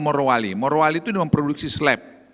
merwali merwali itu memproduksi slab